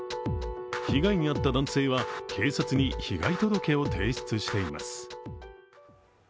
被害に遭った男性は警察に被害届を提出しています。